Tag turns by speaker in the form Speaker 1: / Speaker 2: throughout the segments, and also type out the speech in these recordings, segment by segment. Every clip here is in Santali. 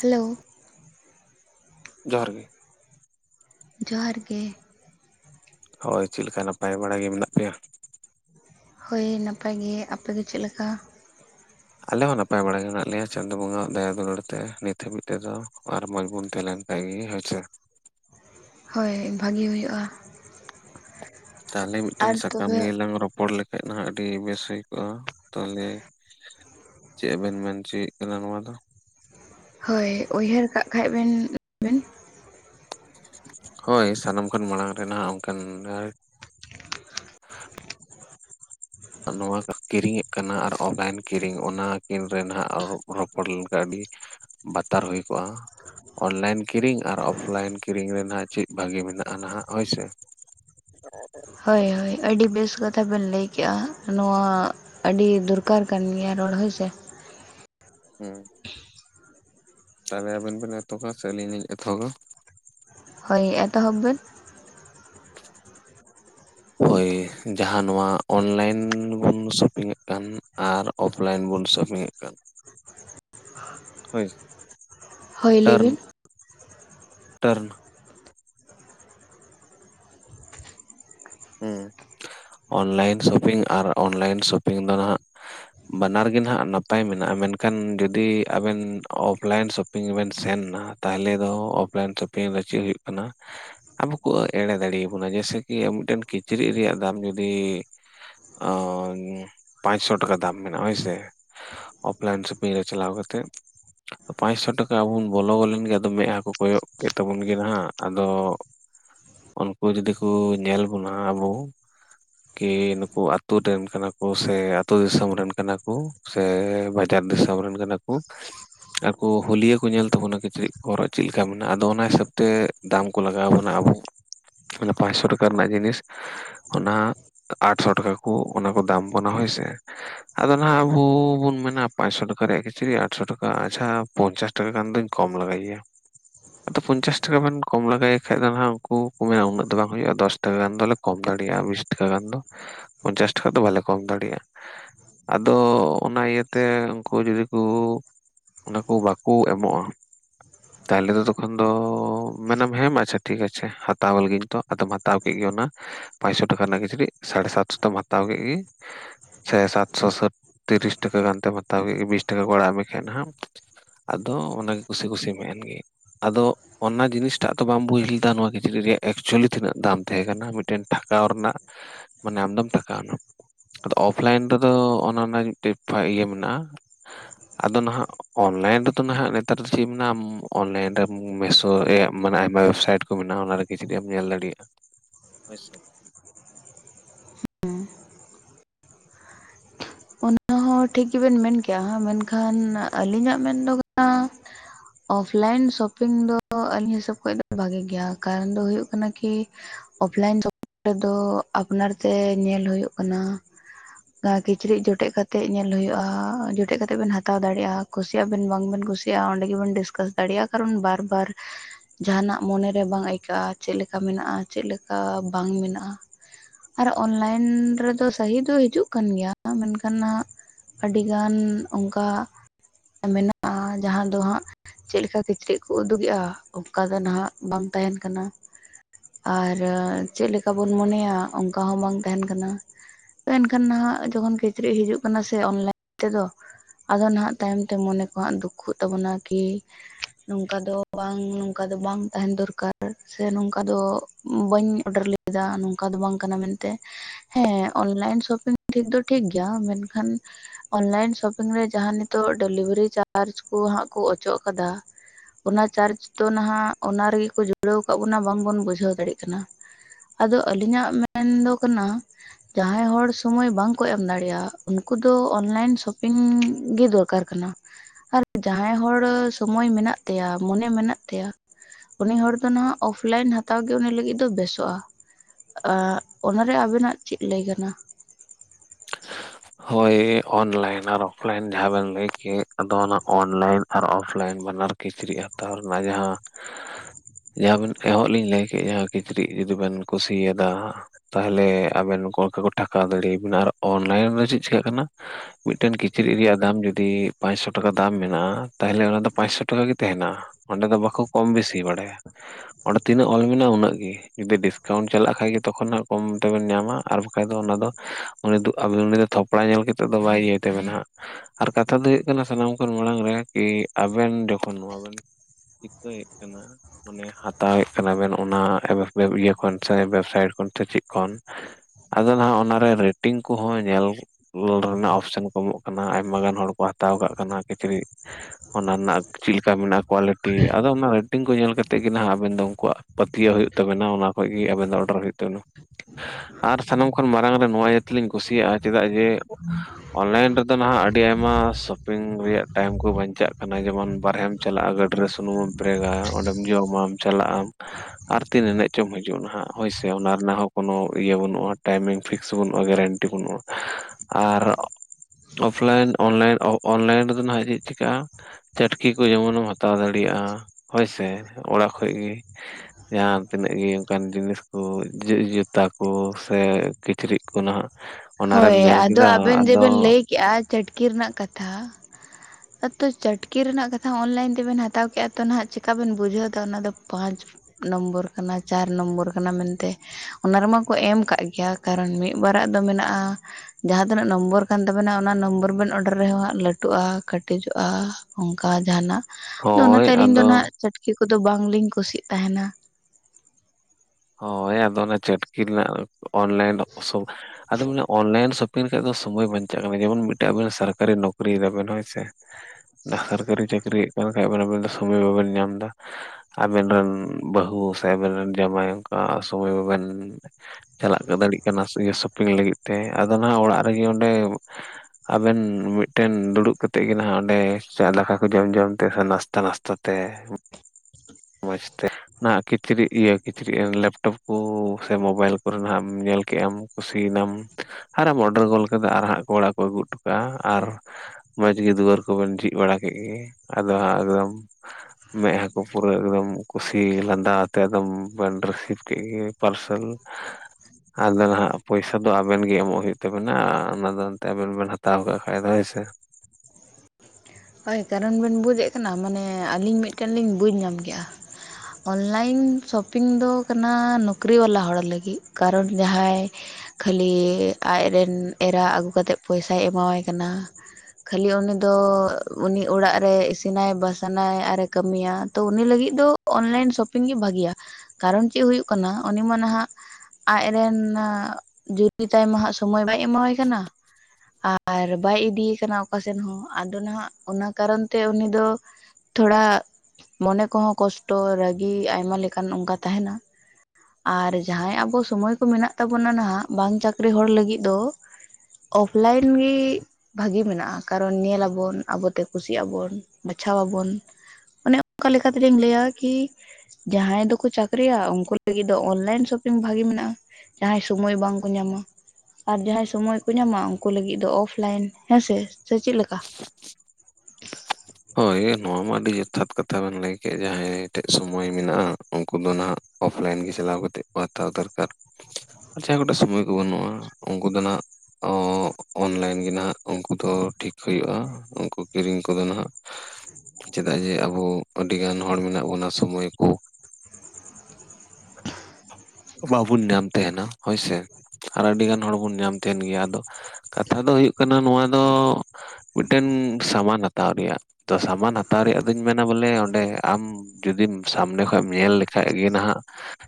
Speaker 1: ᱦᱮᱞᱳ
Speaker 2: ᱡᱚᱦᱟᱨ ᱜᱮ
Speaker 1: ᱡᱚᱦᱟᱨ ᱜᱮ
Speaker 2: ᱦᱳᱭ ᱪᱮᱫ ᱞᱮᱠᱟ ᱱᱟᱯᱟᱭ ᱵᱟᱲᱟ ᱜᱮ ᱢᱮᱱᱟᱜ ᱯᱮᱭᱟ
Speaker 1: ᱦᱳᱭ ᱱᱟᱯᱟᱭ ᱜᱮ ᱟᱯᱮ ᱫᱚ ᱪᱮᱫ ᱞᱮᱠᱟ
Speaker 2: ᱟᱞᱮ ᱦᱚᱸ ᱱᱟᱯᱟᱭ ᱵᱟᱲᱟ ᱜᱮ ᱢᱮᱱᱟᱜ ᱞᱮᱭᱟ ᱪᱟᱸᱫᱚ ᱵᱚᱸᱜᱟᱣᱟᱜ ᱫᱟᱭᱟ ᱫᱩᱞᱟᱹᱲ ᱛᱮ ᱱᱤᱛ ᱦᱟᱹᱵᱤᱡ ᱛᱮᱫᱚ ᱟᱨ ᱢᱚᱸᱡᱽ ᱵᱚᱱ ᱛᱟᱦᱮᱸ ᱞᱮᱱ [unintelligible]
Speaker 1: ᱦᱳᱭ ᱵᱷᱟᱜᱤ ᱦᱩᱭᱩᱜᱼᱟ
Speaker 2: ᱛᱟᱦᱞᱮ ᱢᱤᱫᱴᱮᱱ
Speaker 1: ᱟᱨ
Speaker 2: ᱥᱟᱛᱟᱢ
Speaker 1: ᱛᱚᱵᱮ
Speaker 2: ᱱᱤᱭᱮ ᱞᱟᱝ ᱨᱚᱯᱚᱲ ᱞᱮᱠᱷᱟᱡ ᱦᱟᱜ ᱟᱹᱰᱤ ᱵᱮᱥ ᱦᱩᱭ ᱠᱚᱜᱼᱟ ᱛᱟᱞᱦᱮ ᱪᱮᱫ ᱵᱮᱱ ᱢᱮᱱ ᱪᱚᱭᱮᱫ ᱠᱟᱱᱟ ᱱᱚᱣᱟ ᱫᱚ
Speaker 1: ᱦᱳᱭ ᱩᱭᱦᱟᱹᱨ ᱠᱟᱜ ᱠᱷᱟᱡ ᱵᱤᱱ
Speaker 2: ᱦᱳᱭ ᱥᱟᱱᱟᱢ ᱠᱷᱚᱱ ᱢᱟᱲᱟᱝ ᱨᱮ ᱱᱟᱦᱟᱜ ᱚᱱᱠᱟᱱ [inaudible] ᱱᱚᱣᱟ ᱠᱤᱨᱤᱧᱮᱫ ᱠᱟᱱᱟ ᱟᱨ ᱚᱱᱞᱟᱭᱤᱱ ᱠᱤᱨᱤᱧ ᱚᱱᱟ ᱠᱤᱱ ᱨᱮᱱᱟᱜ ᱨᱚᱯᱚᱲ ᱞᱮᱱᱠᱷᱟᱱ ᱟᱹᱰᱤ [inaudible] ᱵᱟᱛᱟᱨ ᱦᱩᱭ ᱠᱚᱜᱼᱟ ᱚᱱᱞᱟᱭᱤᱱ ᱠᱤᱨᱤᱧ ᱟᱨ ᱚᱯᱷᱞᱟᱭᱤᱱ ᱠᱤᱨᱤᱧ ᱨᱮ ᱱᱟᱜ ᱪᱮᱫ ᱵᱷᱟᱹᱜᱤ ᱢᱮᱱᱟᱜᱼᱟ ᱱᱟᱦᱟᱜ ᱦᱳᱭ ᱥᱮ [inaudible]
Speaker 1: ᱦᱳᱭ ᱦᱳᱭ ᱟᱹᱰᱤ ᱵᱮᱥ ᱠᱟᱛᱷᱟ ᱵᱮᱱ ᱞᱟᱹᱭ ᱠᱮᱫᱼᱟ ᱱᱚᱣᱟ ᱟᱹᱰᱤ ᱫᱚᱨᱠᱟᱨ ᱠᱟᱱ ᱜᱮᱭᱟ ᱨᱚᱲ ᱦᱳᱭ ᱥᱮ
Speaker 2: ᱦᱩᱸ ᱛᱟᱦᱚᱞᱮ ᱟᱵᱮᱱ ᱵᱮᱱ ᱮᱛᱚᱦᱚᱵᱟ ᱥᱮ ᱟᱹᱞᱤᱧ ᱞᱤᱧ ᱮᱛᱚᱦᱚᱵᱟ
Speaker 1: ᱦᱳᱭ ᱮᱛᱚᱦᱚᱵ ᱵᱮᱱ
Speaker 2: ᱦᱳᱭ ᱡᱟᱦᱟᱸ ᱱᱚᱣᱟ ᱚᱱᱞᱟᱭᱤᱱ ᱵᱚᱱ ᱥᱚᱯᱤᱝ ᱮᱫ ᱠᱟᱱ ᱟᱨ ᱚᱯᱷ ᱞᱟᱭᱤᱱ ᱵᱚᱱ ᱥᱚᱯᱤᱝ ᱮᱫ ᱠᱟᱱ ᱦᱳᱭ
Speaker 1: ᱦᱳᱭ ᱞᱟᱹᱭ
Speaker 2: ᱴᱱ
Speaker 1: ᱵᱤᱱ
Speaker 2: ᱴᱟᱨᱱ [unintelligible] ᱦᱮᱸ ᱚᱱᱞᱟᱭᱤᱱ ᱥᱚᱯᱤᱝ ᱟᱨ ᱚᱱᱞᱟᱭᱤᱱ ᱥᱚᱯᱤᱝ ᱫᱚ ᱱᱟᱜ ᱵᱟᱱᱟᱨ ᱜᱮ ᱱᱟᱸᱜ ᱱᱟᱯᱟᱭ ᱢᱮᱱᱟᱜᱼᱟ, ᱢᱮᱱᱠᱷᱟᱱ ᱡᱩᱫᱤ ᱟᱵᱮᱱ ᱚᱯᱷᱞᱟᱭᱤᱱ ᱥᱚᱯᱤᱝ ᱵᱮᱱ ᱥᱮᱱ ᱱᱟ, ᱛᱟᱦᱚᱞᱮ ᱫᱚ ᱚᱯᱷᱞᱟᱭᱤᱱ ᱥᱚᱯᱤᱝ ᱫᱚ ᱪᱮᱫ ᱞᱮᱠᱟᱱᱟ ᱟᱵᱚ ᱠᱚ ᱮᱲᱮ ᱫᱟᱲᱮ ᱫᱟᱬᱮᱟᱵᱚᱱᱟ, ᱡᱮᱭᱥᱮ ᱠᱤ ᱢᱤᱫᱴᱮᱱ ᱠᱤᱪᱨᱤᱪ ᱨᱮᱭᱟᱜ ᱫᱟᱢ ᱡᱩᱫᱤ ᱚ ᱯᱟᱸᱪᱥᱚ ᱴᱟᱠᱟ ᱫᱟᱢ ᱢᱮᱱᱟᱜᱼᱟ ᱦᱳᱭᱥᱮ ᱚᱯᱷᱞᱟᱭᱤᱱ ᱥᱚᱯᱤᱝ ᱨᱮ ᱪᱟᱞᱟᱣ ᱠᱟᱛᱮ ᱯᱟᱸᱪᱥᱚ ᱴᱟᱠᱟ ᱟᱵᱚ ᱵᱚᱱ ᱵᱚᱞᱚ ᱜᱚᱫ ᱞᱮᱱ ᱜᱮ ᱟᱫᱚ ᱢᱮᱫᱦᱟ ᱠᱚᱭᱚᱜ ᱠᱮᱫ ᱛᱟᱵᱚᱱ ᱜᱮ ᱱᱟᱦᱟᱸᱜ ᱟᱫᱚ ᱩᱱᱠᱩ ᱡᱩᱫᱤ ᱠᱚ ᱧᱮᱞ ᱵᱚᱱᱟ ᱟᱵᱚ ᱠᱤ ᱱᱩᱠᱩ ᱟᱛᱳ ᱨᱮᱱ ᱠᱟᱱᱟ ᱠᱚ ᱥᱮ ᱟᱹᱛᱩ ᱫᱤᱥᱚᱢ ᱨᱮᱱ ᱠᱟᱱᱟ ᱠᱚ ᱥᱮ ᱵᱟᱡᱟᱨ ᱫᱤᱥᱚᱢ ᱨᱮᱱ ᱠᱟᱱᱟ ᱠᱚ ᱟᱨ ᱠᱚ ᱦᱩᱞᱤᱭᱟᱹ ᱠᱚ ᱧᱮᱞ ᱛᱟᱵᱚᱱᱟ ᱠᱤᱪᱨᱤᱪ ᱠᱚ ᱦᱚᱨᱚᱜ ᱪᱮᱫᱞᱮᱠᱟ ᱢᱮᱱᱟᱜᱼᱟ ᱟᱫᱚ ᱚᱱᱟ ᱦᱤᱥᱟᱹᱵᱽ ᱛᱮ ᱫᱟᱢ ᱠᱚ ᱞᱟᱜᱟᱣ ᱵᱚᱱᱟ ᱟᱵᱚ ᱢᱟᱱᱮ ᱯᱟᱸᱪᱥᱚ ᱴᱟᱠᱟ ᱨᱮᱱᱟᱜ ᱡᱤᱱᱤᱥ ᱚᱱᱟ ᱟᱴᱥᱚ ᱴᱟᱠᱟ ᱠᱚ ᱚᱱᱟ ᱠᱚ ᱫᱟᱢ ᱟᱵᱚᱱᱟ ᱦᱳᱭ ᱥᱮ ᱟᱫᱚ ᱱᱟ ᱟᱵᱩ ᱵᱚᱱ ᱢᱮᱱᱟ ᱯᱟᱸᱪᱥᱚ ᱴᱟᱠᱟ ᱨᱮᱭᱟᱜ ᱠᱤᱪᱤᱨᱤᱪ ᱟᱴᱥᱚ ᱴᱟᱠᱟ ᱟᱪᱷᱟ ᱯᱚᱧᱪᱟᱥ ᱴᱟᱠᱟ ᱜᱟᱱ ᱫᱚᱧ ᱠᱚᱢ ᱞᱮᱜᱟᱭᱮᱭᱟ ᱟᱫᱚ ᱯᱚᱧᱪᱟᱥ ᱴᱟᱠᱟ ᱵᱮᱱ ᱠᱚᱢ ᱞᱮᱜᱟᱭᱮ ᱠᱷᱟᱡ ᱫᱚ ᱱᱟᱜ ᱩᱱᱠᱩ ᱠᱚ ᱢᱮᱱᱟ ᱩᱱᱟᱹᱜ ᱫᱚ ᱵᱟᱝ ᱦᱩᱭᱩᱜᱼᱟ ᱫᱚᱥ ᱜᱟᱱ ᱫᱚᱞᱮ ᱠᱚᱢ ᱫᱟᱲᱮᱭᱟᱜᱼᱟ ᱵᱤᱥ ᱴᱟᱠᱟ ᱜᱟᱱ ᱫᱚ ᱯᱚᱧᱪᱟᱥ ᱴᱟᱠᱟ ᱫᱚ ᱵᱟᱞᱮ ᱠᱚᱢ ᱫᱟᱲᱮᱭᱟᱜᱼᱟ ᱟᱫᱚ ᱚᱱᱟ ᱤᱭᱟᱹᱛᱮ ᱩᱱᱠᱩ ᱡᱩᱫᱤ ᱠᱚ ᱚᱱᱟᱠᱩ ᱵᱟᱠᱚ ᱮᱢᱚᱜᱼᱟ ᱛᱟᱦᱚᱞᱮ ᱫᱚ ᱛᱚᱠᱷᱚᱱ ᱫᱚ ᱢᱮᱱᱟᱢ ᱦᱮᱸ ᱟᱪᱪᱷᱟ ᱴᱷᱤᱠ ᱟᱪᱷᱮ ᱦᱟᱛᱣᱟ ᱜᱤᱭᱟᱹᱧ ᱛᱚ ᱟᱫᱚᱢ ᱦᱟᱛᱟᱣ ᱠᱮᱫ ᱜᱮ ᱚᱱᱟ ᱯᱟᱸᱪᱥᱚ ᱴᱟᱠᱟ ᱨᱮᱱᱟᱜ ᱠᱤᱪᱨᱤᱡ ᱥᱟᱲᱮ ᱥᱟᱛᱥᱚ ᱛᱮᱢ ᱦᱟᱛᱟᱣ ᱠᱮᱫ ᱜᱮ ᱥᱮ ᱥᱟᱛᱥᱚ ᱥᱟᱛ ᱛᱤᱨᱤᱥ ᱴᱟᱠᱟ ᱜᱟᱱᱛᱮᱢ ᱦᱟᱛᱟᱣ ᱠᱮᱫ ᱵᱤᱥ ᱴᱟᱠᱟ ᱠᱚ ᱚᱲᱟᱜ ᱢᱮᱠᱷᱟᱱ ᱟᱫᱚ ᱚᱱᱟᱜᱮ ᱠᱩᱥᱤ ᱠᱩᱥᱤ ᱢᱮᱱ ᱮᱱᱜᱮ ᱟᱫᱚ ᱚᱱᱟ ᱡᱤᱱᱤᱥ ᱴᱟᱜ ᱫᱚ ᱵᱟᱢ ᱵᱩᱡ ᱞᱮᱫᱟ ᱱᱚᱣᱟ ᱠᱤᱪᱨᱤᱡ ᱨᱮᱭᱟᱜ ᱮᱠᱪᱩᱞᱤ ᱛᱤᱱᱟᱹᱜ ᱫᱟᱢ ᱛᱟᱦᱮᱸ ᱠᱟᱱᱟ ᱢᱤᱫᱴᱮᱱ ᱴᱷᱟᱠᱟᱣ ᱨᱮᱱᱟᱜ ᱢᱟᱱᱮ ᱟᱢᱫᱚᱢ ᱛᱷᱟᱠᱟᱣᱱᱟ ᱟᱫᱚ ᱚᱯᱷᱞᱟᱭᱤᱱ ᱨᱮᱫᱚ ᱚᱱᱟ ᱨᱮᱱᱟᱜ ᱢᱤᱫᱴᱮᱡ ᱤᱭᱟᱹ ᱢᱮᱱᱟᱜᱼᱟ ᱟᱫᱚ ᱱᱟᱜ ᱚᱱᱞᱟᱭᱤᱱ ᱨᱮᱫᱚ ᱱᱟᱦᱟᱜ ᱱᱮᱛᱟᱨ ᱫᱚ ᱪᱮᱫ ᱢᱮᱱᱟᱜᱼᱟ ᱚᱱᱞᱟᱭᱤᱱ ᱨᱮ ᱢᱮᱥᱳ ᱨᱮ ᱢᱟᱱᱮ ᱟᱭᱢᱟ ᱚᱭᱮᱵᱽᱥᱟᱭᱤᱴ ᱠᱚ ᱢᱮᱱᱟᱜᱼᱟ ᱚᱱᱟ ᱨᱮᱜᱮ ᱡᱩᱫᱤ ᱮᱢ ᱧᱮᱞ ᱫᱟᱲᱮᱭᱟᱜᱼᱟ ᱟᱪᱪᱷᱟ
Speaker 1: ᱚᱱᱟ ᱴᱷᱤᱠ ᱜᱮᱵᱮᱱ ᱢᱮᱱ ᱠᱮᱜᱼᱟ ᱢᱮᱱᱠᱷᱟᱱ ᱟᱹᱞᱤᱧᱟᱜ ᱢᱮᱱ ᱫᱚ ᱚᱸᱻ ᱚᱯᱷᱞᱟᱭᱤᱱ ᱥᱚᱯᱤᱝ ᱫᱚ ᱟᱹᱞᱤᱧ ᱦᱤᱥᱟᱹᱵᱽ ᱠᱷᱚᱱ ᱫᱚ ᱵᱷᱟᱜᱤ ᱜᱮᱭᱟ ᱠᱟᱨᱚᱱ ᱫᱚ ᱦᱳᱭᱳᱜ ᱠᱟᱱᱟ ᱠᱤ ᱚᱯᱞᱟᱭᱤᱱ ᱥᱚᱯᱤᱝ ᱨᱮᱫᱚ ᱟᱯᱱᱟᱨ ᱛᱮ ᱧᱮᱞ ᱦᱩᱭᱩᱜ ᱠᱟᱱᱟ ᱠᱟ ᱠᱤᱪᱨᱤᱡ ᱡᱚᱴᱮᱜ ᱠᱟᱛᱮᱜ ᱧᱮᱞ ᱦᱩᱭᱩᱜᱼᱟ ᱡᱚᱴᱮᱜ ᱠᱟᱛᱮᱜ ᱵᱮᱱ ᱦᱟᱛᱟᱣ ᱫᱟᱲᱮᱜᱼᱟ᱾ ᱠᱩᱥᱤᱭᱟᱜᱼᱟ ᱵᱮᱱ ᱵᱟᱝᱵᱤᱱ ᱠᱩᱥᱤᱭᱟᱜᱼᱟ ᱚᱸᱰᱮ ᱜᱮᱵᱤᱱ ᱰᱤᱥᱠᱟᱥ ᱫᱟᱲᱮᱜᱼᱟ ᱠᱟᱨᱚᱱ ᱵᱟᱨ ᱵᱟᱨ ᱡᱟᱦᱟᱱᱟᱜ ᱢᱚᱱᱮᱨᱮ ᱵᱟᱝ ᱟᱹᱭᱠᱟᱹᱜᱼᱟ ᱪᱮᱫ ᱞᱮᱠᱟ ᱢᱮᱱᱟᱜᱼᱟ ᱪᱮᱫ ᱞᱮᱠᱟ ᱵᱟᱝ ᱢᱮᱱᱟᱜᱼᱟ ᱟᱨ ᱚᱱᱞᱟᱭᱤᱱ ᱨᱮᱫᱚ ᱥᱟᱹᱦᱤ ᱫᱚ ᱦᱤᱡᱩᱜ ᱠᱟᱱ ᱜᱮᱭᱟ ᱢᱮᱱᱠᱷᱟᱱ ᱟᱹᱰᱤᱜᱟᱱ ᱚᱱᱠᱟ ᱢᱮᱱᱟᱜᱼᱟ ᱡᱟᱦᱟᱸ ᱫᱚ ᱦᱟᱸᱜ ᱪᱮᱫ ᱞᱮᱠᱟ ᱠᱤᱪᱨᱤᱪ ᱠᱚ ᱩᱫᱩᱜ ᱮᱜᱼᱟ ᱚᱱᱠᱟ ᱜᱮ ᱱᱟᱦᱟᱜ ᱫᱟᱢ ᱛᱟᱦᱮᱱ ᱠᱟᱱᱟ ᱟᱨ ᱪᱮᱫ ᱞᱮᱠᱟ ᱵᱚᱱ ᱢᱚᱱᱮᱭᱟ ᱚᱱᱠᱟ ᱦᱚᱸ ᱵᱟᱝ ᱛᱟᱦᱮᱱ ᱠᱟᱱᱟ ᱮᱱᱠᱷᱟᱱ ᱱᱟᱦᱟᱜ ᱡᱚᱠᱷᱚᱱ ᱠᱤᱪᱨᱤᱡ ᱦᱤᱡᱩᱜ ᱠᱟᱱᱟ ᱥᱮ ᱚᱱᱞᱟᱭᱤᱱ ᱛᱮᱫᱚ ᱟᱫᱚ ᱱᱟᱦᱟᱜ ᱛᱟᱭᱚᱢ ᱛᱮ ᱢᱚᱱᱮ ᱠᱚᱜ ᱫᱩᱠᱷᱚᱜ ᱛᱟᱵᱚᱱᱟ ᱠᱤ ᱱᱚᱝᱠᱟ ᱫᱚ ᱵᱟᱝ ᱱᱚᱝᱠᱟ ᱫᱚ ᱵᱟᱝ ᱛᱟᱦᱮᱱ ᱫᱚᱨᱠᱟᱨ ᱥᱮ ᱱᱚᱝᱠᱟ ᱫᱚ ᱵᱟᱹᱧ ᱚᱰᱟᱨ ᱞᱮᱫᱟ ᱱᱚᱝᱠᱟ ᱫᱚ ᱵᱟᱝ ᱠᱟᱱᱟ ᱢᱮᱱᱛᱮ ᱦᱮᱸ ᱚᱱᱞᱟᱭᱤᱱ ᱥᱚᱯᱤᱝ ᱴᱷᱤᱠ ᱫᱚ ᱴᱷᱤᱠ ᱜᱮᱭᱟ ᱢᱮᱱᱠᱷᱟᱱ ᱚᱱᱞᱟᱭᱤᱱ ᱥᱚᱯᱤᱝ ᱨᱮ ᱡᱟᱸᱦᱟ ᱱᱤᱛᱚᱜ ᱰᱮᱞᱤᱵᱷᱟᱨᱤ ᱪᱟᱨᱡ ᱠᱚ ᱦᱟᱸᱜ ᱠᱚ ᱚᱪᱚᱜ ᱠᱟᱫᱟ᱾ ᱚᱱᱟ ᱪᱟᱨᱡ ᱫᱚ ᱱᱟᱦᱟᱜ ᱚᱱᱟ ᱨᱮᱜᱮ ᱠᱚ ᱡᱩᱲᱟᱹᱣ ᱠᱟᱫ ᱵᱚᱱᱟ ᱵᱟᱝᱵᱩᱱ ᱵᱩᱡᱷᱟᱹᱣ ᱫᱟᱲᱮᱜ ᱠᱟᱱᱟ᱾ ᱟᱫᱚ ᱟᱹᱞᱤᱧᱟᱜ ᱢᱮᱱ ᱫᱚ ᱠᱟᱱᱟ ᱡᱟᱦᱟᱸᱭ ᱦᱚᱲ ᱥᱩᱢᱚᱭ ᱵᱟᱝᱠᱚ ᱮᱢ ᱫᱟᱲᱮᱭᱟᱜ ᱩᱱᱠᱩ ᱫᱚ ᱚᱱᱞᱟᱭᱤᱱ ᱥᱚᱯᱤᱝ ᱜᱮ ᱫᱚᱨᱠᱟᱨ᱾ ᱠᱟᱱᱟ ᱟᱨ ᱡᱟᱦᱟᱸᱭ ᱦᱚᱲ ᱥᱚᱢᱚᱭ ᱢᱮᱱᱟᱜ ᱛᱟᱭᱟ ᱢᱚᱱᱮ ᱢᱮᱱᱟᱜ ᱛᱟᱭᱟ ᱩᱱᱤ ᱦᱚᱲ ᱫᱚ ᱱᱟᱦᱟᱜ ᱚᱯᱷ ᱞᱟᱭᱤᱱ ᱦᱟᱛᱟᱣ ᱜᱮ ᱩᱱᱤ ᱞᱟᱹᱜᱤᱫ ᱫᱚ ᱵᱮᱥᱚᱜᱼᱟ᱾ ᱟᱸ ᱚᱱᱟᱨᱮ ᱟᱵᱤᱱᱟᱜ ᱪᱮᱫ ᱞᱟᱹᱭ ᱠᱟᱱᱟ? [inaudible]
Speaker 2: ᱦᱳᱭ ᱚᱱᱞᱟᱭᱤᱱ ᱟᱨ ᱚᱯᱷ ᱞᱟᱭᱤᱱ ᱡᱟᱦᱟᱸ ᱵᱮᱱ ᱞᱟᱹᱭ ᱠᱮᱫ ᱟᱫᱚ ᱚᱱᱟ ᱚᱱᱞᱟᱭᱤᱱ ᱟᱨ ᱚᱯᱷ ᱞᱟᱭᱤᱱ ᱵᱟᱱᱟᱨ ᱠᱤᱪᱨᱤᱜ ᱦᱟᱛᱟᱣ ᱨᱮᱱᱟᱜ ᱡᱟᱦᱟᱸ
Speaker 1: [inaudible]
Speaker 2: ᱡᱟᱦᱟᱸ ᱵᱮᱱ ᱮᱦᱚᱵ ᱞᱤᱧ ᱞᱟᱹᱭ ᱠᱮᱜᱼᱟ ᱠᱤᱪᱨᱤᱡ ᱡᱩᱫᱤ ᱵᱮᱱ ᱠᱩᱥᱤᱭᱟᱫᱟ? ᱛᱟᱦᱮᱞᱮ ᱟᱵᱮᱱ ᱠᱚ ᱚᱝᱠᱟ ᱠᱚ ᱴᱷᱟᱠᱟᱣ ᱫᱟᱲᱮᱭ ᱟᱵᱮᱱᱟ ᱟᱨ ᱚᱱᱞᱟᱭᱤᱱ ᱨᱮ ᱪᱮᱜ ᱪᱤᱠᱟᱹᱜ ᱠᱟᱱᱟ ᱢᱤᱜᱴᱮᱱ ᱠᱤᱪᱨᱤᱜ ᱨᱮᱭᱟᱜ ᱫᱟᱢ ᱡᱩᱚᱫᱤ ᱯᱟᱸᱪᱥᱚ ᱴᱟᱠᱟ ᱫᱟᱢ ᱢᱮᱱᱟᱜᱼᱟ ᱛᱟᱦᱚᱞᱮ ᱚᱱᱟ ᱫᱚ ᱯᱟᱸᱪᱥᱚ ᱴᱟᱠᱟ ᱜᱮ ᱛᱟᱦᱮᱱᱟ᱾ ᱚᱸᱰᱮ ᱫᱚ ᱵᱟᱠᱚ ᱠᱚᱢ ᱵᱮᱥᱤ ᱵᱟᱲᱟᱭᱟ, ᱚᱸᱰᱮ ᱛᱤᱱᱟᱹᱜ ᱚᱞ ᱢᱮᱱᱟᱜᱼᱟ ᱩᱱᱟᱹᱜ ᱜᱤ᱾ ᱡᱩᱚᱫᱤ ᱰᱤᱥᱠᱟᱣᱩᱱᱴ ᱪᱟᱞᱟᱜ ᱠᱷᱟᱱ ᱜᱮ ᱛᱚᱠᱷᱚᱱ ᱱᱟᱦᱟᱜ ᱠᱚᱢ ᱛᱮᱵᱮᱱ ᱧᱟᱢᱟ ᱟᱨ ᱵᱟᱠᱷᱟᱡ ᱫᱚ ᱚᱱᱟ ᱫᱚ ᱩᱱᱤ ᱫᱚ ᱟᱵ ᱩᱱᱤᱫ ᱫᱚ ᱛᱷᱚᱯᱲᱟ ᱧᱮᱞ ᱠᱟᱛᱮᱜ ᱫᱚ ᱵᱟᱭ ᱤᱭᱟᱹᱭ ᱛᱟᱵᱮᱱᱟ ᱦᱟᱸᱜ ᱟᱨ ᱠᱟᱛᱷᱟ ᱫᱚ ᱦᱩᱭᱩᱜ ᱠᱟᱱᱟ ᱥᱟᱱᱟᱢ ᱠᱷᱚᱱ ᱢᱟᱲᱟᱝ ᱨᱮ ᱠᱤ ᱟᱵᱮᱱ ᱡᱚᱠᱷᱚᱱ ᱱᱚᱣᱟ ᱵᱮᱱ ᱪᱤᱠᱟᱹᱭᱮᱫ ᱠᱟᱱᱟ? ᱚᱱᱮ ᱦᱟᱛᱟᱣᱮᱜ ᱠᱟᱱᱟ ᱵᱮᱱ ᱚᱱᱟ ᱤᱭᱟᱹ ᱠᱷᱚᱱ ᱥᱮ ᱭᱮᱵᱥᱟᱭᱤᱴ ᱠᱷᱚᱱ ᱥᱮ ᱪᱮᱜ ᱠᱷᱚᱱ ᱟᱫᱚ ᱱᱟᱦᱟᱜ ᱚᱱᱟᱨᱮ ᱨᱮᱴᱤᱝ ᱠᱚᱦᱚᱸ ᱧᱮᱞ ᱨᱩᱣᱟᱹᱲ ᱨᱮᱱᱟᱜ ᱚᱯᱥᱮᱱ ᱠᱚ ᱮᱢᱚᱜ ᱠᱟᱱᱟ᱾ ᱟᱭᱢᱟ ᱜᱟᱱ ᱦᱚᱲ ᱠᱚ ᱦᱟᱛᱟᱣ ᱠᱟᱜ ᱠᱟᱱᱟ ᱠᱤᱪᱨᱤᱤᱡ᱾ ᱚᱱᱟ ᱨᱮᱱᱟᱜ ᱪᱮᱫ ᱞᱮᱠᱟ ᱢᱮᱱᱟᱜᱼᱟ᱾ ᱠᱳᱣᱟᱞᱤᱴᱤ ᱟᱫᱚ ᱚᱱᱟ ᱨᱮᱴᱤᱝ ᱠᱚ ᱧᱮᱞ ᱠᱟᱛᱮᱫ ᱜᱮ ᱦᱟᱜ ᱟᱵᱮᱱ ᱫᱚ ᱩᱱᱠᱩᱣᱟᱜ ᱯᱟᱹᱛᱭᱟᱹᱣ ᱦᱩᱭᱩᱜ ᱛᱟᱵᱮᱱᱟ ᱚᱱᱟ ᱠᱷᱚᱱ ᱜᱮ ᱟᱵᱮᱱ ᱫᱚ ᱚᱰᱟᱨ ᱦᱩᱭᱩᱜ ᱛᱟᱵᱮᱱᱟ᱾ ᱟᱨ ᱥᱟᱱᱟᱢ ᱠᱷᱚᱱ ᱢᱟᱨᱟᱝ ᱨᱮ ᱱᱚᱣᱟᱤᱭᱟᱹ ᱞᱤᱧ ᱠᱩᱥᱤᱭᱟᱜᱼᱟ ᱪᱮᱫᱟᱜ ᱡᱮ ᱚᱱᱞᱟᱭᱤᱱ ᱨᱮᱫᱚ ᱱᱟᱦᱟᱜ ᱟᱹᱰᱤ ᱟᱭᱢᱟ ᱥᱚᱯᱤᱝ ᱨᱮᱭᱟᱜ ᱴᱟᱭᱤᱢ ᱠᱚ ᱵᱟᱧᱪᱟᱜ ᱠᱟᱱᱟ ᱡᱮᱢᱚᱱ ᱵᱟᱨᱦᱮᱢ ᱪᱟᱞᱟᱜᱼᱟ ᱜᱟᱹᱰ ᱨᱮ ᱥᱩᱱᱩᱢᱮᱢ ᱯᱨᱮᱜᱟ ᱚᱸᱰᱮᱢ ᱡᱚᱢᱟᱢ ᱪᱟᱞᱟᱜ ᱟᱢ᱾ ᱟᱨ ᱛᱤᱱ ᱮᱱᱮᱡ ᱪᱚᱢ ᱦᱤᱡᱩᱜ ᱱᱟᱦᱟᱜ ᱦᱳᱭᱥᱮ ᱚᱱᱟ ᱨᱮᱱᱟᱜ ᱦᱚᱸ ᱠᱳᱱᱳ ᱤᱭᱟᱹ ᱵᱟᱹᱱᱩᱜᱼᱟ ᱴᱟᱭᱢᱤᱝ ᱯᱷᱤᱠᱥ ᱦᱚᱸ ᱵᱟᱹᱱᱩᱜ᱾ ᱱᱚᱣᱟ ᱜᱮᱨᱮᱱᱴᱤ ᱵᱟᱹᱱᱩᱜᱼᱟ᱾ ᱟᱨ ᱚᱯᱷᱞᱟᱭᱤᱱ ᱚᱱᱞᱟᱭᱤᱱ ᱚᱱᱞᱟᱭᱤᱱ ᱨᱮᱫᱚ ᱱᱟᱦᱟᱜ ᱪᱮᱫᱜ ᱪᱤᱠᱟᱹᱜᱼᱟ ᱪᱟᱹᱴᱠᱤ ᱠᱚ ᱡᱮᱢᱚᱱᱢ ᱦᱟᱛᱟᱣ ᱫᱟᱲᱮᱭᱟᱜᱼᱟ ᱦᱳᱭᱥᱮ ᱚᱲᱟᱜ ᱠᱷᱚᱡ ᱜᱮ᱾ ᱡᱟᱦᱟᱸ ᱛᱤᱱᱟᱹᱜ ᱜᱮ ᱚᱱᱠᱟᱱ ᱡᱤᱱᱤᱥ ᱠᱚ ᱡᱩᱛᱟᱹ ᱠᱚ ᱥᱮ ᱠᱤᱪᱨᱤᱡ ᱠᱚ ᱱᱟᱦᱟᱜ ᱚᱱᱟᱨᱮᱢ
Speaker 1: ᱦᱳᱭ
Speaker 2: ᱧᱮᱞ
Speaker 1: ᱟᱫᱚ
Speaker 2: ᱠᱮᱫᱟ
Speaker 1: ᱟᱵᱮᱱ
Speaker 2: ᱟᱫᱚ
Speaker 1: ᱡᱮᱵᱮᱱ ᱞᱟᱹᱭ ᱠᱮᱜᱼᱟ ᱪᱟᱹᱴᱠᱤ ᱨᱮᱱᱟᱜ ᱠᱟᱛᱷᱟ ᱟᱛᱚ ᱪᱟᱹᱴᱠᱤ ᱨᱮᱱᱟᱜ ᱠᱟᱛᱷᱟ ᱚᱱᱞᱟᱭᱤᱱ ᱛᱮᱵᱮᱱ ᱦᱟᱛᱟᱣ ᱠᱮᱜᱼᱟ ᱛᱚ ᱱᱟᱦᱟᱜ ᱪᱮᱠᱟ ᱵᱮᱱ ᱵᱩᱡᱷᱟᱹᱣᱫᱟ ᱚᱱᱟ ᱫᱚ ᱯᱟᱸᱪ ᱱᱚᱢᱵᱚᱨ ᱠᱟᱱᱟ ᱪᱟᱨ ᱱᱚᱢᱵᱚᱨ ᱠᱟᱱᱟ ᱢᱮᱱᱛᱮ ᱚᱱᱟ ᱨᱮᱢᱟ ᱠᱚ ᱮᱢ ᱠᱟᱜ ᱜᱮᱭᱟ ᱠᱟᱨᱚᱱ ᱢᱤᱜᱵᱟᱨᱟᱜ ᱫᱚ ᱢᱮᱱᱟᱜᱼᱟ ᱡᱟᱦᱟᱸ ᱛᱤᱱᱟᱹᱜ ᱱᱚᱢᱵᱚᱨ ᱠᱟᱱ ᱛᱟᱵᱮᱱᱟ ᱚᱱᱟ ᱱᱚᱢᱵᱚᱨ ᱵᱮᱱ ᱚᱰᱟᱨ ᱨᱮᱦᱚᱸ ᱦᱟᱸᱜ ᱞᱟᱹᱴᱩᱜᱼᱟ, ᱠᱟᱴᱮᱡᱚᱜᱼᱟ᱾ ᱚᱱᱠᱟ ᱡᱟᱦᱱᱟᱜ ᱟᱫᱚ
Speaker 2: ᱦᱳᱭ
Speaker 1: ᱚᱱᱟᱛᱮ ᱟᱹᱞᱤᱧ
Speaker 2: ᱟᱫᱚ
Speaker 1: ᱫᱚ ᱱᱟᱜ ᱪᱟᱹᱴᱠᱤ ᱠᱚᱫᱚ ᱵᱟᱝᱞᱤᱧ ᱠᱩᱥᱤᱜ ᱛᱟᱦᱮᱱᱟ
Speaker 2: ᱦᱳᱭ ᱟᱫᱚ ᱚᱱᱟ ᱪᱟᱹᱴᱠᱤ ᱨᱮᱱᱟᱜ ᱚᱱᱞᱟᱭᱤᱱ ᱟᱫᱚ ᱢᱟᱱ ᱚᱱᱞᱟᱭᱤᱱ ᱥᱚᱯᱤ ᱯᱮᱱ ᱠᱷᱟᱡ ᱫᱚ ᱥᱚᱢᱚᱭ ᱵᱟᱧᱪᱟᱜ ᱠᱟᱱᱟ ᱡᱮᱢᱚᱱ ᱢᱤᱫᱴᱮᱜ ᱟᱵᱮᱱ ᱥᱟᱨᱠᱟᱨᱤ ᱱᱚᱠᱨᱤᱭ ᱫᱟᱵᱮᱱ ᱦᱳᱭ ᱥᱮ᱾ ᱰᱟᱠᱟᱨᱠᱟᱹᱨᱤ ᱪᱟᱹᱠᱨᱤᱭᱮᱜ ᱠᱟᱱ ᱠᱷᱟᱡ ᱟᱵᱮᱱ ᱫᱚ ᱥᱚᱢᱚᱭ ᱵᱟᱵᱮᱱ ᱧᱟᱢ ᱫᱟ᱾ ᱟᱵᱮᱱ ᱨᱮᱱ ᱵᱟᱹᱦᱩ ᱥᱮ ᱟᱵᱮᱱ ᱨᱮᱱ ᱡᱟᱢᱟᱭ ᱚᱝᱠᱟ ᱥᱚᱢᱚᱭ ᱵᱟᱵᱮᱱ ᱪᱟᱞᱟᱜ ᱠᱚ ᱫᱟᱲᱮᱜ ᱠᱟᱱᱟ ᱤᱭᱟᱹ ᱥᱚᱯᱤᱝ ᱞᱟᱹᱜᱤᱜ ᱛᱮ ᱟᱫᱚ ᱱᱟᱦᱟᱜ ᱚᱲᱟᱜ ᱨᱮᱜᱮ ᱚᱸᱰᱮ ᱟᱵᱮᱱ ᱢᱤᱫᱴᱮᱱ ᱫᱩᱲᱩᱵ ᱠᱟᱛᱮᱜ ᱜᱮ ᱱᱟᱦᱟᱜ ᱚᱸᱰᱮ ᱥᱮ ᱫᱟᱠᱟ ᱠᱚ ᱡᱚᱢ ᱡᱚᱢ ᱛᱮ ᱥᱮ ᱱᱟᱥᱛᱟ ᱱᱟᱥᱛᱟ ᱛᱮ ᱢᱚᱡᱽ ᱛᱮ ᱱᱟ ᱠᱤᱪᱨᱤᱡ ᱤᱭᱟᱹ ᱠᱤᱪᱨᱤᱡ ᱞᱮᱯᱴᱚᱯ ᱠᱚ ᱥᱮ ᱢᱳᱵᱟᱭᱤᱞ ᱠᱚᱨᱮ ᱱᱟᱦᱟᱜ ᱮᱢ ᱧᱮᱞ ᱠᱮᱜᱼᱟᱢ ᱠᱩᱥᱤᱭᱱᱟᱢ ᱟᱨᱮᱢ ᱚᱰᱟᱨ ᱜᱚᱫ ᱠᱮᱫᱟ ᱟᱨ ᱦᱟᱸᱜ ᱚᱲᱟᱜ ᱠᱚ ᱟᱹᱜᱩ ᱦᱚᱴᱚ ᱠᱟᱜᱼᱟ᱾ ᱟᱨ ᱢᱚᱸᱡᱽᱜᱤ ᱫᱩᱣᱟᱹᱨ ᱠᱚᱵᱮᱱ ᱡᱷᱤᱡ ᱵᱟᱲᱟ ᱠᱮᱫ ᱜᱮ ᱟᱫᱚ ᱦᱟᱸᱜ ᱮᱠᱫᱚᱢ ᱢᱮᱫᱦᱟ ᱯᱩᱨᱟᱹ ᱮᱠᱫᱚᱢ ᱠᱩᱥᱤ ᱞᱟᱸᱫᱟ ᱟᱛᱮ ᱮᱠᱫᱚᱢ ᱵᱮᱱ ᱨᱤᱥᱤᱵᱷ ᱠᱮᱫ ᱜᱮ ᱯᱟᱨᱥᱮᱞ ᱟᱫᱚ ᱱᱟᱦᱟᱜ ᱯᱚᱭᱥᱟ ᱫᱚ ᱟᱵᱮᱱ ᱜᱮ ᱮᱢᱚᱜ ᱦᱩᱭᱩᱜ ᱛᱟᱵᱮᱱᱟ ᱚᱱᱟᱫᱚ ᱮᱱᱛᱮ ᱟᱵᱮᱱ ᱵᱮᱱ ᱦᱟᱛᱟᱣ ᱠᱟᱜ ᱠᱷᱟᱭ ᱫᱚ ᱦᱳᱭ ᱥᱮ᱾
Speaker 1: ᱦᱳᱭ ᱠᱟᱨᱚᱱ ᱵᱮᱱ ᱵᱩᱡᱮᱫ ᱠᱟᱱᱟ ᱢᱟᱱᱮ ᱟᱹᱞᱤᱧ ᱢᱤᱫᱴᱮᱱ ᱞᱤᱧ ᱵᱩᱡᱽ ᱧᱟᱢ ᱠᱮᱫᱼᱟ᱾ ᱚᱱᱞᱟᱭᱤᱱ ᱥᱚᱯᱤᱝ ᱫᱚ ᱠᱟᱱᱟ ᱱᱚᱠᱨᱤ ᱵᱟᱞᱟ ᱦᱚᱲ ᱞᱟᱹᱜᱤᱫ ᱠᱟᱨᱚᱱ ᱡᱟᱦᱟᱸᱭ ᱠᱷᱟᱹᱞᱤ ᱟᱡᱨᱮᱱ ᱮᱨᱟ ᱟᱹᱜᱩ ᱠᱟᱛᱮᱫ ᱯᱚᱭᱥᱟᱭ ᱮᱢᱟᱣᱟᱭ ᱠᱟᱱᱟ᱾ ᱠᱷᱟᱞᱤ ᱩᱱᱤ ᱫᱚ ᱩᱱᱤ ᱚᱲᱟᱜ ᱨᱮ ᱤᱥᱤᱱᱟᱭ ᱵᱟᱥᱟᱱᱟᱭ ᱟᱨᱮ ᱠᱢᱤᱭᱟ ᱛᱚ ᱩᱱᱤ ᱞᱟᱹᱜᱤᱫᱟᱜ ᱫᱚ ᱚᱱᱞᱟᱭᱤᱱ ᱥᱚᱯᱤ ᱦᱟᱯᱤᱱ ᱜᱮ ᱵᱷᱟᱹᱜᱤᱭᱟ ᱠᱟᱨᱚᱱ ᱪᱮᱫ ᱦᱩᱭᱩᱜ ᱠᱟᱱᱟ ᱩᱱᱤ ᱢᱟ ᱱᱟᱦᱟᱜ ᱟᱡᱨᱮᱱ ᱡᱩᱨᱤ ᱛᱟᱭᱢᱟ ᱦᱟᱸᱜ ᱥᱚᱢᱚᱭ ᱵᱟᱭ ᱮᱢᱟᱣᱟᱭ ᱠᱟᱱᱟ᱾ ᱟᱨ ᱵᱟᱭ ᱤᱫᱤᱭᱮ ᱠᱟᱱᱟ ᱚᱠᱟᱥᱮᱫ ᱦᱚᱸ ᱟᱫᱚ ᱱᱟᱦᱟᱜ ᱚᱱᱟ ᱠᱟᱨᱚᱱ ᱛᱮ ᱩᱱᱤ ᱫᱚ ᱛᱷᱚᱲᱟ ᱢᱚᱱᱮ ᱠᱚᱦᱚᱸ ᱠᱚᱥᱴᱚ ᱨᱟᱹᱜᱤ ᱟᱭᱢᱟ ᱞᱮᱠᱟᱱ ᱚᱱᱠᱟ ᱛᱟᱦᱮᱱᱟ᱾ ᱟᱨ ᱡᱟᱦᱟᱸᱭ ᱟᱵᱚ ᱥᱚᱢᱚᱭ ᱠᱚ ᱢᱮᱱᱟᱜ ᱛᱟᱵᱚᱱᱟ ᱱᱟᱦᱟᱜ ᱵᱟᱝ ᱪᱟᱹᱠᱨᱤ ᱦᱚᱲ ᱞᱟᱹᱜᱤᱫ ᱫᱚ ᱚᱯᱷᱞᱟᱭᱤᱱ ᱜᱮᱤ ᱵᱷᱟᱜᱤ ᱢᱮᱱᱟᱜᱼᱟ ᱠᱟᱨᱚᱱ ᱧᱮᱞᱟᱵᱚᱱ ᱟᱵᱚ ᱠᱩᱥᱤᱭᱟᱜ-ᱟ ᱵᱚᱱ ᱵᱟᱪᱷᱟᱣᱣᱟᱵᱚᱱ ᱚᱱᱮ ᱚᱱᱠᱟ ᱞᱮᱠᱟᱛᱮᱧ ᱞᱟᱹᱭᱟ ᱠᱤ ᱡᱟᱦᱟᱸᱭ ᱫᱚᱠᱚ ᱪᱟᱹᱠᱨᱤᱭᱟ ᱩᱱᱠᱩ ᱞᱟᱹᱜᱤᱫ ᱫᱚ ᱚᱱᱞᱟᱭᱤᱱ ᱥᱚᱯᱤᱝ ᱵᱷᱟᱜᱤ ᱢᱮᱱᱟᱜᱼᱟ᱾ ᱡᱟᱦᱟᱸᱭ ᱥᱳᱢᱳᱭ ᱵᱟᱝᱠᱚ ᱧᱟᱢᱟ ᱟᱨ ᱡᱟᱦᱟᱸᱭ ᱥᱳᱢᱳᱭ ᱠᱚ ᱧᱟᱢᱟ ᱩᱱᱠᱩ ᱞᱟᱹᱜᱤᱫ ᱫᱚ ᱚᱯᱷ ᱞᱟᱭᱤᱱ ᱦᱮᱸᱥᱮ ᱥᱮ ᱪᱮᱫ ᱞᱮᱠᱟ? [inaudible]
Speaker 2: ᱦᱳᱭ ᱱᱚᱣᱟ ᱢᱟ ᱟᱹᱰᱤ ᱡ ᱡᱚᱛᱷᱟᱛ ᱠᱟᱛᱷᱟ ᱵᱮᱱ ᱞᱟᱹᱭ ᱠᱮᱫ ᱡᱟᱦᱟᱸᱭ ᱴᱮᱱ ᱥᱚᱢᱚᱭ ᱢᱮᱱᱟᱜᱼᱟ ᱩᱱᱠᱩ ᱫᱚ ᱱᱟᱦᱟᱜ ᱚᱯᱷᱞᱟᱭᱤᱱ ᱜᱮ ᱪᱟᱞᱟᱣ ᱠᱟᱛᱮᱜ ᱦᱟᱛᱟᱣ ᱫᱚᱨᱠᱟᱨ ᱡᱟᱦᱟᱸᱭ ᱠᱚᱴᱮᱡᱷ ᱥᱚᱢᱚᱭ ᱠᱚ ᱵᱟᱹᱱᱩᱜᱼᱟ ᱩᱱᱠᱩ ᱫᱚ ᱱᱟᱦᱟᱜ ᱚ ᱚᱱᱞᱟᱭᱤᱱ ᱜᱮ ᱱᱟᱦᱟᱜᱽ ᱩᱱᱠᱩ ᱫᱚ ᱴᱷᱤᱠ ᱦᱩᱭᱩᱜᱼᱟ᱾ ᱩᱱᱠᱩ ᱠᱤᱨᱤᱧ ᱠᱚᱫᱚ ᱱᱟᱦᱟᱜᱽ ᱪᱮᱫᱟᱜ ᱡᱮ ᱟᱵᱚ ᱟᱹᱰᱤᱜᱟᱱ ᱦᱚᱲ ᱢᱮᱱᱟᱜ ᱵᱚᱱᱟ ᱥᱚᱢᱚᱭ ᱠᱚ
Speaker 1: [inaudible]
Speaker 2: ᱵᱟᱵᱚᱱ ᱧᱟᱢ ᱛᱟᱦᱮᱱᱟ ᱦᱳᱭᱥᱮ ᱟᱨ ᱟᱹᱰᱤ ᱜᱟᱱ ᱦᱚᱲ ᱵᱚᱱ ᱧᱟᱢ ᱛᱟᱦᱮᱱ ᱜᱮᱭᱟ ᱟᱫᱚ ᱠᱟᱛᱷᱟ ᱫᱚ ᱦᱩᱭᱩᱜ ᱠᱟᱱᱟ ᱱᱚᱣᱟ ᱫᱚ ᱢᱤᱫᱴᱮᱱ ᱥᱟᱢᱟᱱ ᱦᱟᱛᱟᱣ ᱨᱮᱭᱟᱜ ᱛᱚ ᱥᱟᱢᱟᱱ ᱦᱟᱛᱟᱣ ᱨᱮᱭᱟᱜ ᱫᱩᱧ ᱢᱮᱱᱟ ᱵᱚᱞᱮ ᱚᱸᱰᱮ ᱟᱢ ᱡᱩᱫᱤᱢ ᱥᱟᱢᱱᱮ ᱠᱷᱚᱡ ᱮᱢ ᱧᱮᱞ ᱞᱮᱠᱷᱟᱡ ᱜᱮ ᱱᱟᱦᱱᱟᱜ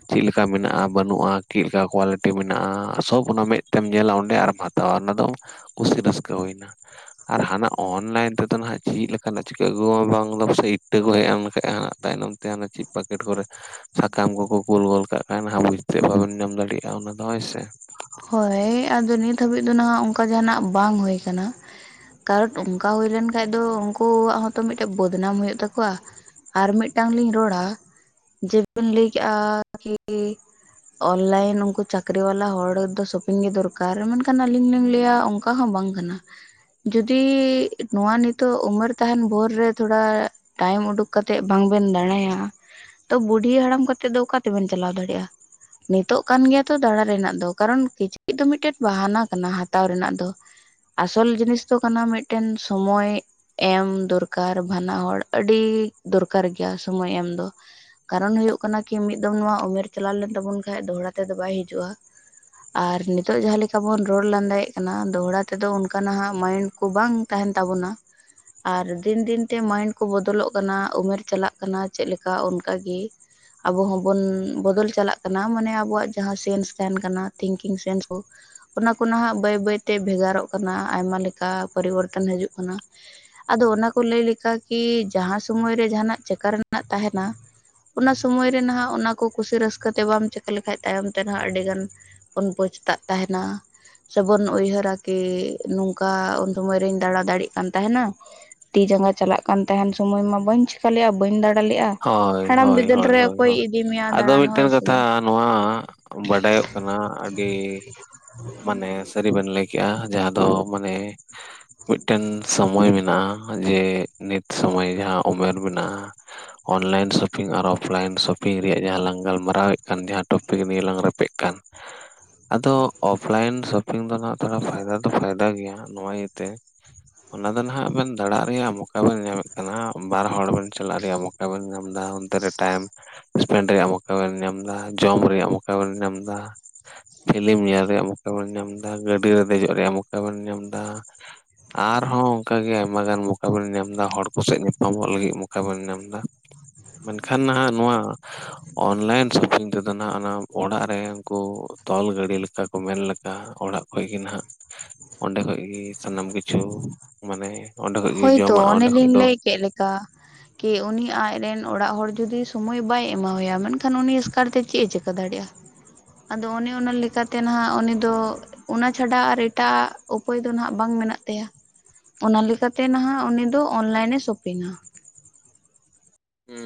Speaker 2: ᱪᱮᱫᱮᱠᱟ ᱢᱮᱱᱟᱜᱼᱟ ᱵᱟᱹᱱᱩᱜᱼᱟ ᱪᱮᱫᱞᱮᱠᱟ ᱠᱳᱣᱟᱞᱤᱴᱤ ᱢᱮᱱᱟᱜᱼᱟ ᱥᱚᱵ ᱚᱱᱟ ᱢᱮᱫᱛᱮᱢ ᱧᱮᱞᱟ ᱚᱸᱰᱮ ᱟᱨᱢ ᱦᱟᱛᱟ ᱛᱚ ᱚᱱᱟ ᱫᱚ ᱠᱩᱥᱤ ᱨᱟᱹᱥᱠᱟᱹ ᱦᱩᱭᱱᱟ ᱟᱨ ᱦᱟᱱᱟ ᱚᱱᱞᱟᱭᱤᱱ ᱛᱮᱫᱚ ᱱᱟᱦᱟᱜ ᱪᱮᱫ ᱞᱮᱠᱟ᱾ ᱵᱟᱟᱱ ᱪᱤᱠᱟᱹ ᱟᱹ ᱜᱩᱣᱟ ᱵᱟᱝᱞ ᱥᱮ ᱤᱴᱟᱹ ᱠᱚ ᱦᱮᱡᱱᱠᱷᱷᱟᱡ ᱦᱟᱱᱟ ᱛᱟᱭᱱᱚᱢ ᱛᱮ ᱪᱮᱫ ᱯᱮᱠᱮᱴ ᱠᱚᱨᱮ ᱥᱟᱠᱟᱢ ᱠᱚᱠᱚ ᱠᱳᱞ ᱜᱚᱫ ᱠᱟᱜ ᱠᱷᱟᱱ ᱚᱱᱟ ᱵᱩᱡᱛᱮ ᱵᱟᱵᱮᱱ ᱧᱟᱢ ᱫᱟᱲᱮᱭᱟᱜᱼᱟ ᱚᱱᱟ ᱫᱚ ᱦᱳᱭ ᱥᱮ
Speaker 1: ᱦᱳᱭ ᱟᱫᱚ ᱱᱤᱛ ᱦᱟᱹᱵᱤᱡ ᱫᱚ ᱱᱟᱦᱟᱜ ᱚᱱᱠᱟ ᱡᱟᱦᱱᱟᱜ ᱵᱟᱝ ᱦᱳᱭ ᱟᱠᱟᱱᱟ᱾ ᱠᱟᱨᱚᱴ ᱚᱱᱠᱟ ᱦᱩᱭ ᱞᱮᱱᱠᱷᱟᱱᱡ ᱫᱚ ᱩᱱᱠᱩᱣᱟᱜ ᱦᱚᱸᱛᱚ ᱢᱤᱫᱴᱮᱡ ᱵᱚᱫᱱᱟᱢ ᱦᱩᱭᱩᱜ ᱛᱟᱠᱚᱣᱟ᱾ ᱟᱨ ᱢᱤᱫᱴᱟᱝ ᱞᱤᱧ ᱨᱚᱲᱟ ᱡᱮᱵᱤᱱ ᱞᱟᱹᱭ ᱠᱮᱫᱮᱜᱼᱟ ᱠᱤ ᱚᱱᱞᱟᱭᱤᱱ ᱩᱱᱠᱩ ᱪᱟᱹᱠᱨᱤ ᱵᱟᱞᱟ ᱦᱚᱲ ᱛᱚ, ᱥᱚᱯᱤᱝ ᱜᱮ ᱫᱚᱨᱠᱟᱨ ᱢᱮᱱᱠᱷᱟᱱ ᱟᱹᱞᱤᱧ ᱞᱤᱧ ᱞᱟᱹᱭᱟ ᱚᱱᱠᱟ ᱦᱚᱸ ᱵᱟᱝ ᱠᱟᱱᱟ᱾ ᱡᱩᱫᱤ ᱱᱚᱣᱟ ᱱᱤᱛᱚᱜ ᱩᱢᱟᱹᱨ ᱛᱟᱦᱮᱱ ᱵᱷᱳᱨ ᱨᱮ ᱛᱷᱚᱲᱟ ᱴᱟᱭᱤᱢ ᱩᱰᱩᱠ ᱠᱟᱛᱮᱜ ᱵᱟᱝ ᱵᱮᱱ ᱫᱟᱬᱟᱭᱟ᱾ ᱛᱚ ᱵᱩᱰᱷᱤ ᱦᱟᱲᱟᱢ ᱠᱟᱛᱮᱜ ᱫᱚ ᱚᱠᱟ ᱛᱮᱵᱮᱱ ᱪᱟᱞᱟᱣ ᱫᱟᱲᱮᱭᱟᱜᱼᱟ᱾ ᱱᱤᱛᱚᱜ ᱠᱟᱱ ᱜᱮᱭᱟ ᱛᱚ ᱫᱟᱬᱟ ᱨᱮᱱᱟᱜ ᱫᱚ ᱠᱟᱨᱚᱱ ᱠᱤᱪᱨᱤᱪ ᱫᱚ ᱢᱤᱫᱴᱮᱱ ᱵᱟᱦᱟᱱᱟ ᱠᱟᱱᱟ ᱦᱟᱛᱟᱣ ᱨᱮᱱᱟᱜ ᱫᱚ ᱟᱥᱚᱞ ᱡᱤᱱᱤᱥ ᱫᱚ ᱠᱟᱱᱟ ᱢᱤᱫᱴᱮᱱ ᱥᱚᱢᱚᱭ ᱮᱢ ᱫᱚᱨᱠᱟᱨ ᱵᱟᱱᱟ ᱦᱚᱲ ᱟᱹᱰᱤ ᱫᱚᱨᱠᱟᱨ ᱜᱮᱭᱟ ᱥᱚᱢᱚᱭ ᱮᱢ ᱫᱚ ᱠᱟᱨᱚᱱ ᱦᱩᱭᱩᱜ ᱠᱟᱱᱟ ᱠᱤ ᱢᱤᱫ ᱫᱚᱢ ᱱᱚᱣᱟ ᱩᱢᱮᱨ ᱪᱟᱞᱟᱣ ᱞᱮᱱ ᱛᱟᱵᱩᱱ ᱠᱷᱟᱱ ᱫᱚᱦᱲᱟ ᱛᱮᱫᱚ ᱵᱟᱭ ᱦᱤᱡᱩᱜᱼᱟ᱾ ᱟᱨ ᱱᱤᱛᱚᱜ ᱡᱟᱦᱟᱸ ᱞᱮᱠᱟ ᱵᱩᱱ ᱨᱚᱲ ᱞᱟᱸᱫᱟᱭᱮᱫ ᱠᱟᱱᱟ ᱫᱚᱦᱲᱟ ᱛᱮᱫᱚ ᱚᱱᱠᱟᱱᱟᱜ ᱦᱟᱜ ᱢᱟᱭᱤᱱᱰ ᱠᱚ ᱵᱟᱝ ᱛᱟᱦᱮᱱ ᱛᱟᱵᱚᱱᱟ ᱟᱨ ᱫᱤᱱ ᱫᱤᱱᱛᱮ ᱢᱟᱭᱤᱱᱰ ᱠᱚ ᱵᱚᱫᱚᱞᱚᱜ ᱠᱟᱱᱟ ᱩᱢᱮᱨ ᱪᱟᱞᱟᱜ ᱠᱟᱱᱟ ᱪᱮᱫᱮ ᱞᱮᱠᱟ ᱚᱱᱠᱟᱜᱮ ᱟᱵᱚ ᱦᱚᱸᱵᱚᱱ ᱵᱚᱫᱚᱞ ᱪᱟᱞᱟᱜ ᱠᱟᱱᱟ ᱢᱟᱱᱮ ᱟᱵᱚᱣᱟᱜ ᱡᱟᱦᱟᱸ ᱥᱮᱱᱥ ᱛᱟᱦᱮᱱ ᱠᱟᱱᱟ᱾ ᱛᱷᱤᱝᱠᱤᱝ ᱥᱮᱱᱥ ᱠᱚ ᱚᱱᱟ ᱠᱚ ᱱᱟᱦᱟᱜ ᱵᱟᱹᱭ ᱵᱟᱹᱭᱛᱮ ᱵᱷᱮᱜᱟᱨᱚᱜ ᱠᱟᱱᱟ ᱟᱭᱢᱟ ᱞᱮᱠᱟ ᱯᱚᱨᱤᱵᱚᱨᱛᱚᱱ ᱦᱟᱡᱩᱜ ᱠᱟᱱᱟ᱾ ᱟᱫᱚ ᱚᱱᱟ ᱠᱚ ᱞᱟᱹᱭ ᱞᱮᱠᱟ ᱠᱤ ᱡᱟᱦᱟᱸ ᱥᱚᱢᱚᱭ ᱨᱮ ᱡᱟᱦᱟᱸᱱᱟᱜ ᱪᱮᱠᱟ ᱨᱮᱱᱟᱜ ᱛᱟᱦᱮᱱᱟ᱾ ᱚᱱᱟ ᱥᱚᱢᱚᱭ ᱨᱮ ᱱᱟᱦᱟᱜ ᱚᱱᱟ ᱠᱚ ᱠᱩᱥᱤ ᱨᱟᱹᱥᱠᱟᱹ ᱛᱮ ᱵᱟᱢ ᱪᱤᱠᱟᱹ ᱞᱮᱠᱷᱟᱡ ᱛᱟᱭᱚᱢ ᱛᱮ ᱱᱟᱦᱟᱜ ᱟᱹᱰᱤᱜᱟᱱ ᱩᱱ ᱯᱚᱡᱛᱟᱜ ᱛᱟᱦᱮᱱᱟ᱾ ᱥᱮᱵᱚᱱ ᱩᱭᱦᱟᱹᱨᱟ ᱠᱤ ᱱᱚᱝᱠᱟ ᱩᱱ ᱥᱚᱢᱚᱭ ᱨᱤᱧ ᱫᱟᱬᱟ ᱫᱟᱲᱮᱭᱟᱜ ᱠᱟᱱ ᱛᱦᱮᱱᱟ᱾ ᱛᱤ ᱡᱟᱸᱜᱟ ᱪᱟᱞᱟᱜ ᱠᱟᱱ ᱛᱟᱦᱮᱱ ᱥᱚᱢᱚᱭ ᱢᱟ ᱵᱟᱹᱧ ᱪᱮᱠᱟ ᱞᱮᱜᱼᱟ ᱵᱟᱹᱧ ᱞᱮᱜᱼᱟ
Speaker 2: ᱦᱳᱭ
Speaker 1: ᱦᱟᱲᱟᱢ
Speaker 2: ᱦᱳᱭ
Speaker 1: ᱵᱤᱫᱟᱹᱞ
Speaker 2: ᱦᱳᱭ
Speaker 1: ᱨᱮ
Speaker 2: ᱦᱳᱭ
Speaker 1: ᱚᱠᱚᱭ
Speaker 2: ᱦᱳᱭ
Speaker 1: ᱤᱫᱤ ᱢᱮᱭᱟ
Speaker 2: ᱟᱫᱚ
Speaker 1: ᱫᱟᱬᱟᱱ ᱦᱳᱭ
Speaker 2: ᱢᱤᱫᱴᱟᱹᱝ
Speaker 1: ᱥᱮ
Speaker 2: ᱠᱟᱛᱷᱟ ᱱᱚᱣᱟ ᱵᱟᱰᱟᱭᱚᱜ ᱠᱟᱱᱟ ᱟᱹᱰᱤ ᱢᱟᱱᱮ ᱥᱟᱹᱨᱤ ᱵᱮᱱ ᱞᱟᱹᱭ ᱠᱮᱜᱼᱟ ᱡᱟᱦᱟᱸ ᱫᱚ ᱢᱟᱱᱮ ᱢᱤᱫᱴᱮᱱ ᱥᱚᱢᱚᱭ ᱢᱮᱱᱟᱜᱼᱟ ᱡᱮ ᱱᱤᱛ ᱥᱚᱢᱚᱭ ᱡᱟᱦᱟᱸ ᱩᱢᱮᱨ ᱢᱮᱱᱟᱜᱼᱟ ᱚᱱᱞᱟᱭᱤᱱ ᱥᱚᱯᱤᱝ ᱟᱨ ᱚᱯᱷᱞᱟᱭᱤᱱ ᱥᱚᱯᱤᱝ ᱨᱮᱭᱟᱜ ᱡᱟᱦᱟᱸ ᱞᱟᱝ ᱜᱟᱞᱢᱟᱨᱟᱣᱮᱫ ᱠᱟᱱ ᱡᱟᱦᱟᱸ ᱴᱚᱯᱤᱠ ᱛᱮᱜᱮ ᱱᱤᱭᱟᱹ ᱞᱟᱝ ᱨᱮᱯᱮᱜ ᱠᱟᱱ ᱟᱫᱚ ᱚᱯᱷ ᱞᱟᱭᱤᱱ ᱥᱚᱯᱤᱝ ᱫᱚ ᱱᱟᱦᱟᱜ ᱛᱷᱚᱲᱟ ᱯᱷᱟᱭᱫᱟ ᱫᱚ ᱯᱷᱟᱭᱫᱟ ᱜᱮᱭᱟ ᱱᱚᱣᱟ ᱤᱭᱟᱹᱛᱮ ᱚᱱᱟ ᱫᱚ ᱱᱟᱦᱟᱜ ᱵᱮᱱ ᱫᱟᱲᱟᱜ ᱨᱮᱭᱟᱜ ᱢᱚᱠᱟ ᱵᱮᱱ ᱧᱟᱢᱮᱫ ᱠᱟᱱᱟ ᱵᱟᱨ ᱦᱚᱲ ᱵᱮᱱ ᱪᱟᱞᱟᱜ ᱨᱮᱭᱟᱜ ᱢᱚᱠᱟ ᱢᱚᱠᱟ ᱵᱮᱱ ᱧᱟᱢᱫᱟ ᱚᱱᱛᱮ ᱨᱮ ᱴᱟᱭᱤᱢ ᱥᱯᱮᱱᱰ ᱨᱮᱭᱟᱜ ᱢᱚᱠᱟᱵᱮᱱ ᱧᱟᱢᱫᱟ, ᱡᱚᱢ ᱨᱮᱭᱟᱜ ᱢᱚᱠᱟᱵᱮᱱ ᱧᱟᱢᱫᱟ ᱯᱷᱤᱞᱤᱢ ᱧᱮᱞ ᱨᱮᱭᱟᱜ ᱢᱚᱠᱟ ᱵᱮᱱ ᱧᱟᱢᱫᱟ ᱜᱟᱹᱰᱤ ᱨᱮ ᱫᱮᱡᱚᱜ ᱨᱮᱭᱟᱜ ᱢᱚᱠᱟ ᱵᱮᱱ ᱧᱟᱢᱫᱟ ᱟᱨᱦᱚᱸ ᱚᱝᱠᱟᱜᱮ ᱟᱭᱢᱟ ᱜᱟᱱ ᱢᱚᱠᱟ ᱵᱮᱱ ᱧᱟᱢᱫᱟ ᱦᱚᱲ ᱠᱚᱥᱮᱫ ᱧᱟᱯᱟᱢᱚᱜ ᱞᱟᱹᱜᱤᱫ ᱢᱚᱠᱟ ᱵᱮᱱ ᱧᱟᱢᱫᱟ ᱢᱮᱱᱠᱷᱟᱱ ᱱᱟᱦᱟᱜ ᱱᱚᱣᱟ ᱚᱱᱞᱟᱭᱤᱱ ᱥᱚᱯᱤᱝ ᱛᱮᱫᱚ ᱱᱟᱜ ᱚᱱᱟ ᱚᱲᱟᱜ ᱨᱮ ᱩᱱᱠᱩ ᱛᱚᱞ ᱜᱟᱹᱬᱤ ᱞᱮᱠᱟ ᱚᱠᱟ ᱠᱚ ᱢᱮᱱ ᱞᱮᱠᱟ ᱚᱲᱟᱜ ᱠᱷᱚᱱ ᱜᱮ ᱱᱟᱦᱟᱜ ᱚᱸᱰᱮ ᱠᱷᱚᱡ ᱜᱮ ᱥᱟᱱᱟᱢ ᱠᱤᱪᱷᱩ ᱢᱟᱱᱮ ᱚᱸᱰᱮ ᱠᱷᱚᱡ ᱜᱮ
Speaker 1: ᱦᱳᱭᱛᱳ
Speaker 2: ᱡᱚᱢᱟᱜ
Speaker 1: ᱚᱱᱮ
Speaker 2: ᱚᱸᱰᱮ ᱠᱷᱚᱡ
Speaker 1: ᱞᱤᱧ
Speaker 2: ᱫᱚ
Speaker 1: ᱞᱟᱹᱭ ᱠᱮᱫ ᱞᱮᱠᱟ ᱠᱤ ᱩᱱᱤ ᱟᱡᱨᱮᱱ ᱚᱲᱟᱜ ᱦᱚᱲ ᱡᱩᱫᱤ ᱥᱳᱢᱚᱭ ᱵᱟᱭ ᱮᱢᱟᱣ ᱭᱟ ᱢᱮᱱᱠᱷᱟᱱ ᱩᱱᱤ ᱮᱥᱠᱟᱨ ᱛᱮ ᱪᱮᱫ ᱮ ᱪᱤᱠᱟᱹ ᱫᱟᱲᱮᱭᱟᱜᱼᱟ ᱟᱫᱚ ᱚᱱᱮ ᱚᱱᱟ ᱞᱮᱠᱟᱛᱮ ᱱᱟᱦᱟᱜ ᱩᱱᱤ ᱫᱚ ᱚᱱᱟ ᱪᱷᱟᱰᱟ ᱟᱨ ᱮᱴᱟᱜ-ᱟ ᱩᱯᱟᱹᱭ ᱫᱚ ᱱᱟᱜ ᱵᱟᱝ ᱢᱮᱱᱟᱜ ᱛᱟᱭᱟ ᱚᱱᱟ ᱞᱮᱠᱟᱛᱮ ᱛᱮ ᱱᱟᱦᱟᱜ ᱩᱱᱤ ᱫᱚ ᱚᱱᱞᱟᱭᱤᱱ ᱮ ᱥᱚᱯᱤᱝᱟ
Speaker 2: ᱦᱩᱸ